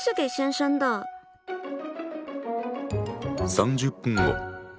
３０分後。